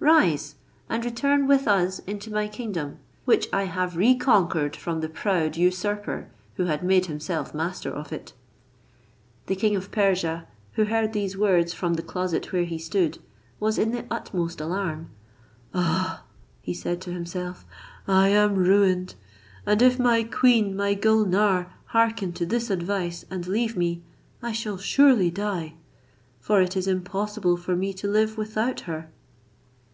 Rise, and return with us into my kingdom, which I have reconquered from the proud usurper who had made himself master of it." The king of Persia, who heard these words from the closet where he stood, was in the utmost alarm; "Ah!" said he to himself, "I am ruined, and if my queen, my Gulnare, hearken to this advice, and leave me, I shall surely die, for it is impossible for me to live without her."